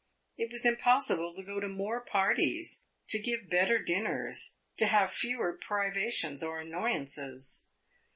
It was impossible to go to more parties, to give better dinners, to have fewer privations or annoyances.